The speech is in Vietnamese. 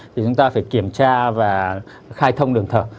thì chúng ta phải kiểm tra và khai thông đường thở